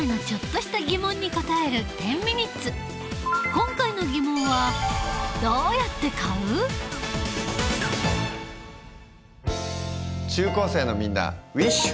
今回の疑問は中高生のみんなウィッシュ！